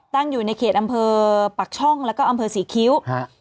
ตั้งอยู่ในเขตอำเภอปักช่องแล้วก็อำเภอศรีคิ้วฮะ